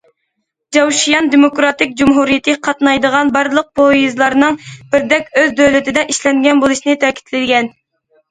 چاۋشيەن دېموكراتىك جۇمھۇرىيىتى قاتنايدىغان بارلىق پويىزلارنىڭ بىردەك ئۆز دۆلىتىدە ئىشلەنگەن بولۇشىنى تەكىتلىگەن.